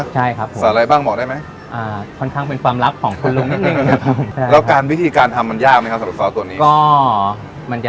เชิญเลยครับผมครับ